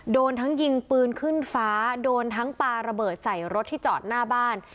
โดนทั้งยิงปืนขึ้นฟ้าโดนทั้งปลาระเบิดใส่รถที่จอดหน้าบ้าน